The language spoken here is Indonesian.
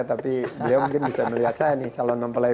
tapi beliau mungkin bisa melihat saya nih calon mempelai